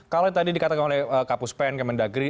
kalau tadi dikatakan oleh kapus pen kemen dagri